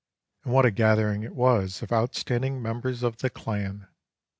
And what a gathering it was of outstanding members of the clan!